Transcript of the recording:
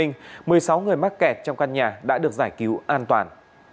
một mươi sáu người mắc kẹt trong căn nhà đã được giải cứu an toàn